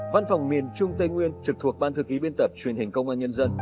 văn phòng miền trung tây nguyên trực thuộc ban thư ký biên tập truyền hình công an nhân dân